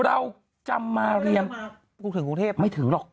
เราจำมาเรียนกูถึงกรุงเทพไม่ถึงหรอก